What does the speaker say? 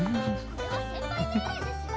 これは先輩命令ですよ！